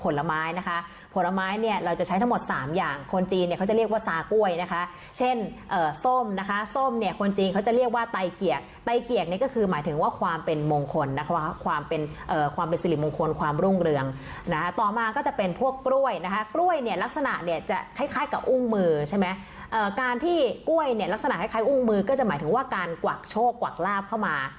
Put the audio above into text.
ส้มนะคะส้มเนี้ยคนจริงเขาจะเรียกว่าไตเกียกไตเกียกนี่ก็คือหมายถึงว่าความเป็นมงคลนะคะความเป็นเอ่อความเป็นสิริมงคลความรุ่งเรืองนะคะต่อมาก็จะเป็นพวกกล้วยนะคะกล้วยเนี้ยลักษณะเนี้ยจะคล้ายคล้ายกับอุ้งมือใช่ไหมเอ่อการที่กล้วยเนี้ยลักษณะคล้ายคล้ายอุ้งมือก็จะหมายถึงว่าการกวักโชคกวักลาบเข